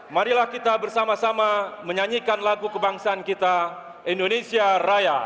marilah kita bersama sama menyanyikan lagu kebangsaan kita indonesia raya